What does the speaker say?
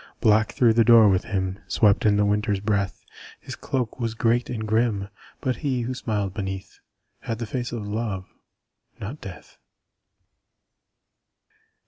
_ Black through the door with him Swept in the Winter's breath; His cloak was great and grim But he, who smiled beneath, Had the face of Love not Death.